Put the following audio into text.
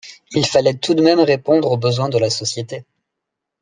Il fallait tout de même répondre aux besoins de la société.